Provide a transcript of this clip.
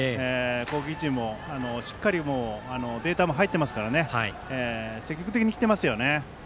攻撃陣も、しっかりデータも入っていますから積極的に来てますね。